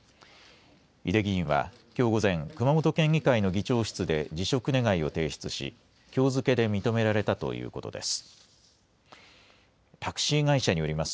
井手議員はきょう午前、熊本県議会の議長室で辞職願を提出し、きょう付けで認められたということです。